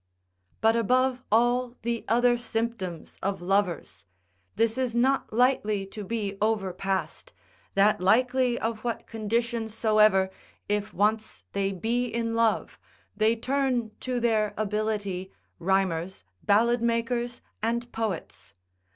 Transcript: But above all the other symptoms of lovers, this is not lightly to be overpassed, that likely of what condition soever, if once they be in love, they turn to their ability, rhymers, ballad makers, and poets.